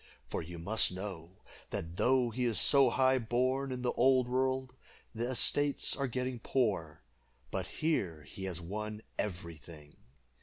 For you must know, that though he is so high born in the old world, the estates are getting poor, but here he has won every thing.